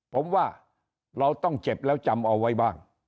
ผมว่าเราต้องเจ็บแล้วจำเอาไว้บ้าง